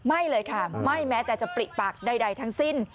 ไม่เลยค่ะไม่แม้แต่จะปริปากใดทั้งสิ้น